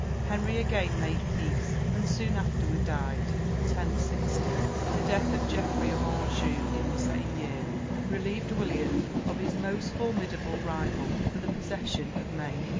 Henry again made peace, and soon afterward died (1060). The death of Geoffrey of Anjou in the same year relieved William of his most formidable rival for the possession of Maine.